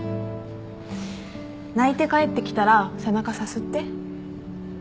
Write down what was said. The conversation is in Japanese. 泣いて帰ってきたら背中さすって。